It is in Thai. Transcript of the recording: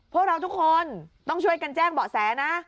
พวกเราทุกคนต้องช่วยกันแจ้งเบาะแสนะ